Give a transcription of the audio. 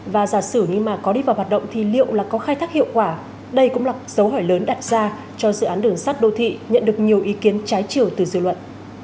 và giả sử nhưng mà có đi vào hoạt động thì liệu là có khai thác hiệu quả đây cũng là dấu hỏi lớn đặt ra cho dự án đường sắt đô thị nhận được nhiều ý kiến trái chiều từ dư luận